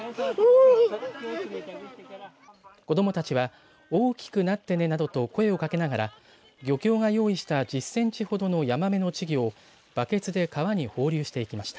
子どもたちは大きくなってねなどと声をかけながら漁協が用意した１０センチほどのヤマメの稚魚をバケツで川に放流していきました。